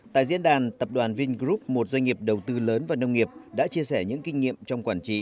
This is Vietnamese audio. tại diễn đàn tập đoàn vingroup một doanh nghiệp đầu tư lớn và nông nghiệp đã chia sẻ những kinh nghiệm trong quản trị